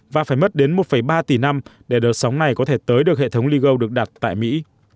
và phải mất đến một ba tỷ năm để đợt sóng này có thể tới được hệ thống ligo được đặt tại mỹ